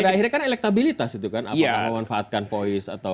di akhirnya kan elektabilitas itu kan apakah memanfaatkan voice atau